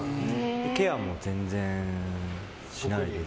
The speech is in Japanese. ケアも全然しないです。